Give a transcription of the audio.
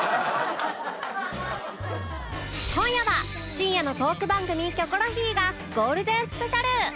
今夜は深夜のトーク番組『キョコロヒー』がゴールデンスペシャル